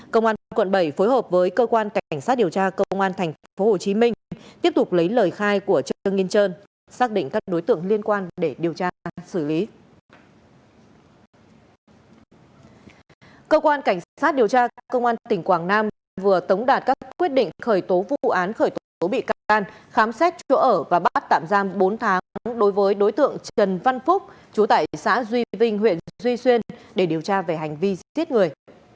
cơ quan cảnh sát điều tra các công an tỉnh quảng nam vừa tống đạt các quyết định khởi tố vụ án khởi tố bị cán khám xét chỗ ở và bắt tạm giam bốn tháng đối với đối tượng trần văn phúc chú tại xã duy vinh huyện duy xuyên để điều tra về hành vi giết người